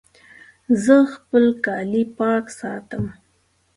زه خپل کالي پاک ساتم.